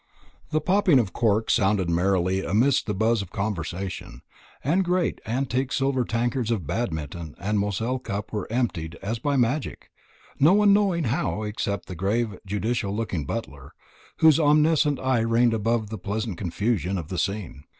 The popping of corks sounded merrily amidst the buzz of conversation, and great antique silver tankards of Badminton and Moselle cup were emptied as by magic, none knowing how except the grave judicial looking butler, whose omniscient eye reigned above the pleasant confusion of the scene.